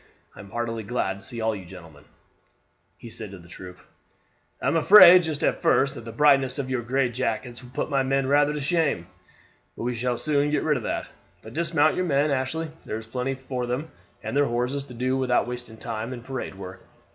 I am heartily glad to see you all, gentlemen," he said to the troop. "I am afraid just at first that the brightness of your gray jackets will put my men rather to shame; but we shall soon get rid of that. But dismount your men, Ashley; there is plenty for them and their horses to do without wasting time in parade work.